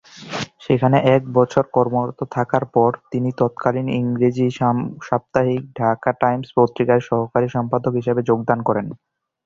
সেখানে এক বছর কর্মরত থাকার পর তিনি তৎকালীন ইংরেজি সাপ্তাহিক ঢাকা টাইমস পত্রিকায় সহকারী সম্পাদক হিসেবে যোগদান করেন।